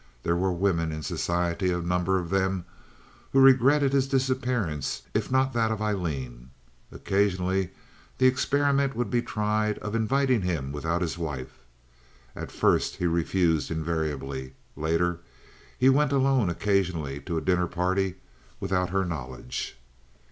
There were women in society, a number of them, who regretted his disappearance if not that of Aileen. Occasionally the experiment would be tried of inviting him without his wife. At first he refused invariably; later he went alone occasionally to a dinner party without her knowledge.